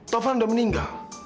taufan udah meninggal